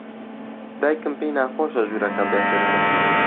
دایکم پێی ناخۆشە ژوورەکەم بێسەروبەر بێت.